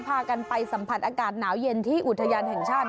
พากันไปสัมผัสอากาศหนาวเย็นที่อุทยานแห่งชาติ